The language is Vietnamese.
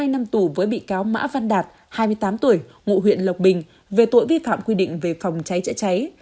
hai năm tù với bị cáo mã văn đạt hai mươi tám tuổi ngụ huyện lộc bình về tội vi phạm quy định về phòng cháy cháy cháy